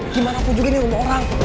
gimana pun juga ini rumah orang